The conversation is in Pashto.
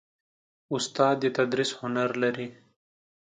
استاد د تدریس هنر لري.